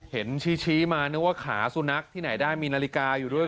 เห็นชี้มานึกว่าขาสุนัขที่ไหนได้มีนาฬิกาอยู่ด้วย